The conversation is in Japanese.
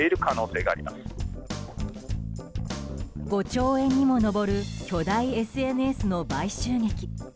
５兆円にも上る巨大ＳＮＳの買収劇。